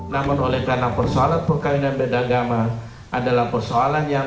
namun oleh karena persoalan perkawinan beda agama adalah persoalan yang